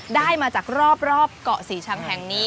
ได้มาจากรอบเกาะศรีชังแห่งนี้